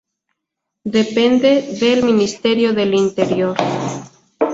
Depende del Ministerio del Interior.